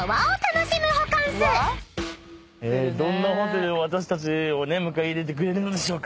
どんなホテル私たちを迎え入れてくれるのでしょうか。